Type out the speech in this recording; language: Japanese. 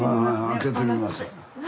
開けてみます。